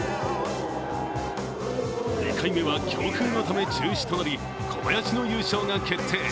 ２回目は強風のため中止となり、小林の優勝が決定。